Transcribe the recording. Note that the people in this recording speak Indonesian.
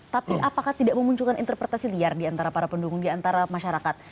tapi apakah tidak memunculkan interpretasi liar diantara para pendukung di antara masyarakat